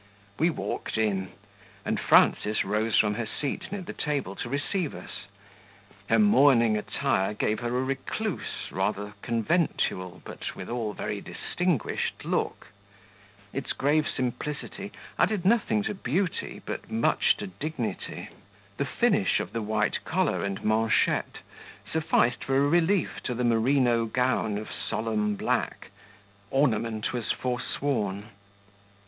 We walked in, and Frances rose from her seat near the table to receive us; her mourning attire gave her a recluse, rather conventual, but withal very distinguished look; its grave simplicity added nothing to beauty, but much to dignity; the finish of the white collar and manchettes sufficed for a relief to the merino gown of solemn black; ornament was forsworn.